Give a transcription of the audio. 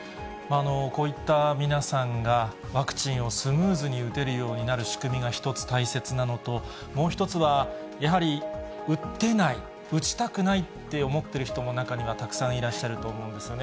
こういった皆さんが、ワクチンをスムーズに打てるようになる仕組みが一つ大切なのと、もう一つは、やはり打てない、打ちたくないって思ってる人も、中にはたくさんいらっしゃると思うんですね。